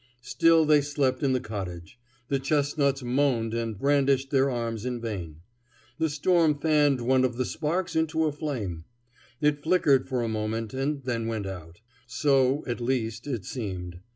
Still they slept in the cottage; the chestnuts moaned and brandished their arms in vain. The storm fanned one of the sparks into a flame. It flickered for a moment and then went out. So, at least, it seemed.